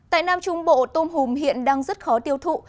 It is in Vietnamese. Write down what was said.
tại nam trung bộ tôm hùm hiện đang rất khó tiêu thụ